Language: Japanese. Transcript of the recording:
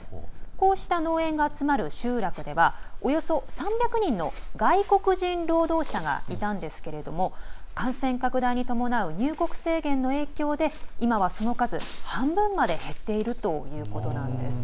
こうした農園が集まる集落ではおよそ３００人の外国人労働者がいたんですけど感染拡大に伴う入国制限の影響で今はその数、半分まで減っているということなんです。